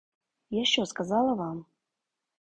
Я що сказала вам?